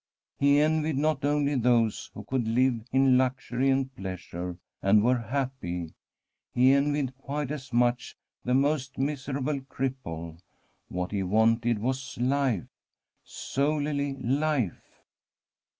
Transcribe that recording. He envied not only those who could Sanu CATERINA 9f SIENA live in luxury and pleasure, and were happy ; he envied quite as much the most miserable cripple. What he wanted was life, solely life.